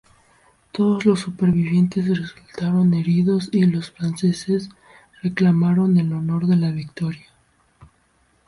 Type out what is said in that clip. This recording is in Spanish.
Todos los supervivientes resultaron heridos, y los franceses reclamaron el honor de la victoria.